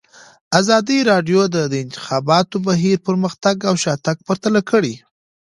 ازادي راډیو د د انتخاباتو بهیر پرمختګ او شاتګ پرتله کړی.